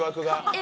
え